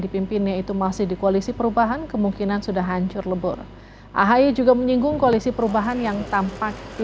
coba kita masih di tempat yang lama hancur lubuh betul kita tahu belum selesai semua sudah kesana kemarin